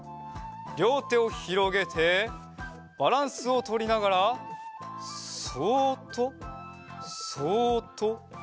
りょうてをひろげてバランスをとりながらそっとそっとそっと。